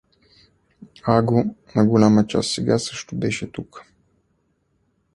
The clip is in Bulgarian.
Аго, на голяма чест сега, също беше тука.